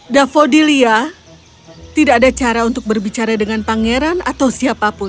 davodilia tidak ada cara untuk berbicara dengan pangeran atau siapapun